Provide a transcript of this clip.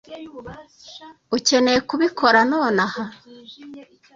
ukeneye kubikora nonaha.